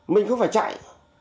mình không phải chạy